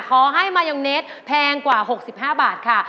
ขอให้มายองเนสแพงกว่า๖๕บาทค่ะ